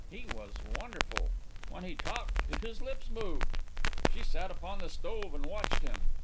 He was wonderful. When he talked his lips moved. She sat upon the stove and watched him.